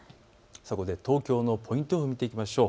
東京のポイント予報を見ていきましょう。